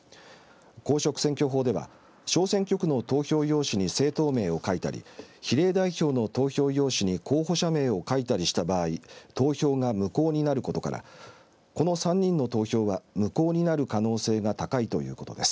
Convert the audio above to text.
公職選挙法では、小選挙区の投票用紙に政党名を書いたり比例代表の投票用紙に候補者名を書いたりした場合投票が無効になることからこの３人の投票は無効になる可能性が高いということです。